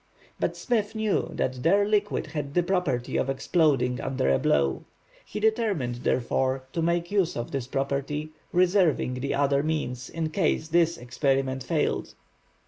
But Smith knew that their liquid had the property of exploding under a blow. He determined, therefore, to make use of this property, reserving the other means in case this experiment failed.